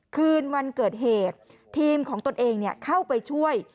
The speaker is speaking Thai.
คืนวันเกิดเหตุทีมของตนเองเข้าไปช่วย